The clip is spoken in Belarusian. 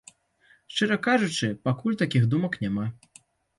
Шчыра кажучы, пакуль такіх думак няма.